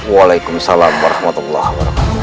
waalaikumsalam warahmatullahi wabarakatuh